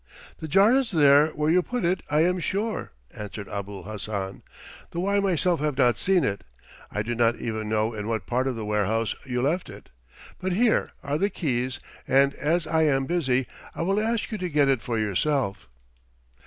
"The jar is there where you put it, I am sure," answered Abul Hassan, "though I myself have not seen it. I do not even know in what part of the warehouse you left it. But here are the keys, and as I am busy I will ask you to get it for yourself."